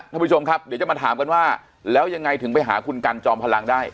ท่านผู้ชมครับเดี๋ยวจะมาถามกันว่าแล้วยังไงถึงไปหาคุณกันจอมพลังได้